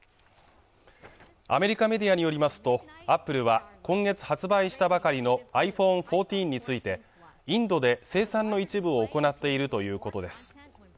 アメリカメディアによりますとアップルは今月発売したばかりのｉＰｈｏｎｅ１４についてインドで生産の一部を行っているということです